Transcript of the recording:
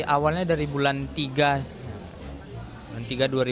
awalnya dari bulan tiga dua ribu sembilan belas